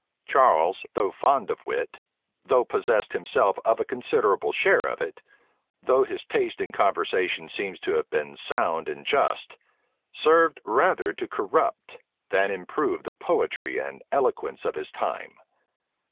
Charles, though fond of wit, though possessed himself of a considerable share of it, though his taste in conversation seems to have been sound and just, served rather to corrupt than improve the poetry and eloquence of his time.